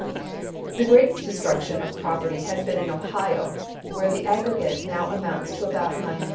] The greatest destruction of property has been in Ohio, where the aggregate now amounts to about $9,000,000.